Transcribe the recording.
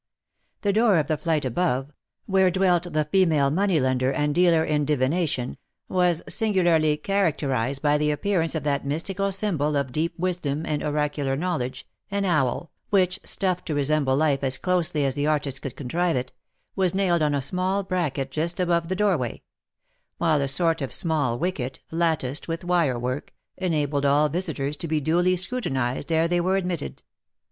The door of the flight above, where dwelt the female money lender and dealer in divination, was singularly characterised by the appearance of that mystical symbol of deep wisdom and oracular knowledge, an owl, which, stuffed to resemble life as closely as the artist could contrive it, was nailed on a small bracket just above the doorway; while a sort of small wicket, latticed with wire work, enabled all visitors to be duly scrutinised ere they were admitted.